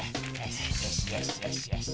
よしよしよし。